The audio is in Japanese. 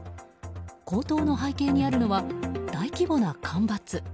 高騰の背景にあるのは大規模な干ばつ。